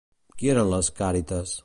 Qui eren les Càrites?